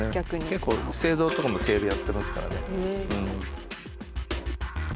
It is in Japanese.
結構資生堂とかもセールやってますからね。